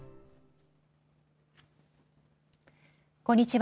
こんにちは。